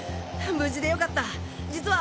無事でよかった実は。